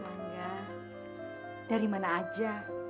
serangga dari mana aja